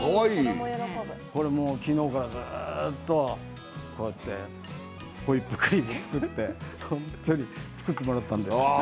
これ昨日からずっとこうやってホイップクリームを作って作ってもらったんですけどね。